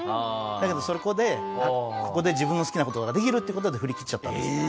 だけどそこでここで自分の好きな事ができるっていう事で振り切っちゃったんです。